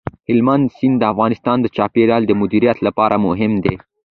هلمند سیند د افغانستان د چاپیریال د مدیریت لپاره مهم دي.